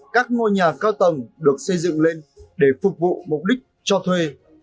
các ngôi nhà cao tầng được xây dựng lên để phục vụ mục đích cho thuê